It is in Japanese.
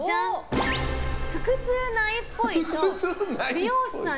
腹痛ないっぽいと美容師さん